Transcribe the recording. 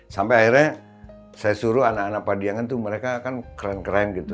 sampai akhirnya saya suruh anak anak padiangan tuh mereka kan keren keren gitu